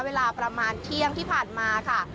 เวลาประมาณเที่ยงที่ผ่านมาค่ะ